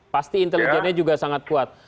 pasti intelijennya juga sangat kuat